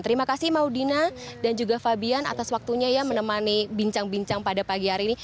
terima kasih maudina dan juga fabian atas waktunya ya menemani bincang bincang pada pagi hari ini